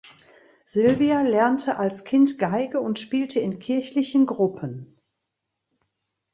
Silva lernte als Kind Geige und spielte in kirchlichen Gruppen.